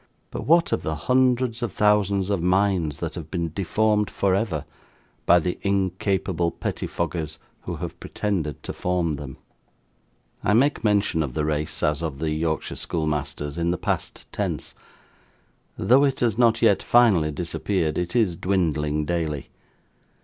But, what of the hundreds of thousands of minds that have been deformed for ever by the incapable pettifoggers who have pretended to form them! I make mention of the race, as of the Yorkshire schoolmasters, in the past tense. Though it has not yet finally disappeared, it is dwindling daily.